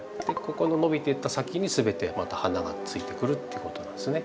ここの伸びてった先に全てまた花がついてくるっていうことなんですね。